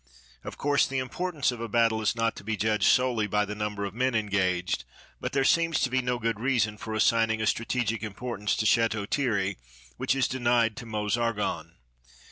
Of course the importance of a battle is not to be judged solely by the number of men engaged, but there seems to be no good reason for assigning a strategic importance to Château Thierry which is denied to Meuse Argonne.